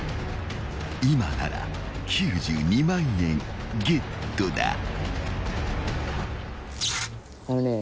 ［今なら９２万円ゲットだ］